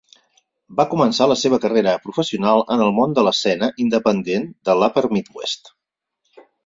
Va començar la seva carrera professional en el món de l'escena independent a l'Upper Midwest.